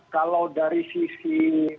kalau dari sisi